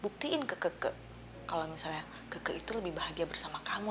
kalau misalnya keke itu lebih bahagia bersama kamu